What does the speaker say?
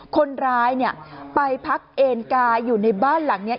คนร้ายไปพักเอนกาอยู่ในบ้านหลังนี้